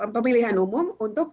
pemilihan umum untuk